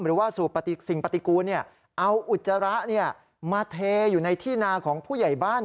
หรือว่าสูบสิ่งปฏิกูลเอาอุจจาระมาเทอยู่ในที่นาของผู้ใหญ่บ้าน